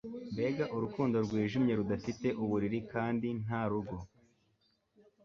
Mbega urukundo rwijimye rudafite uburiri kandi nta rugo